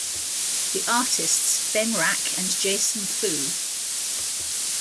The artists Ben Rak and Jason Phu.